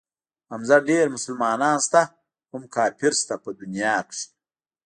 حمزه ډېر مسلمانان شته هم کافر شته په دنيا کښې.